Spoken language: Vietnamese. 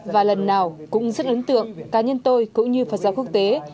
và lần nào cũng rất ấn tượng cá nhân tôi cũng như phật giáo quốc tế